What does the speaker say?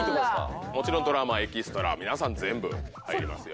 もちろんドラマエキストラ全部入りますよ。